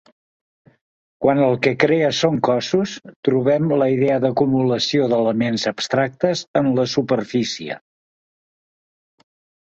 Quan el que crea són cossos, trobem la idea d'acumulació d'elements abstractes en la superfície.